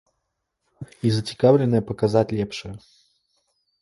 І зацікаўленыя паказаць лепшае.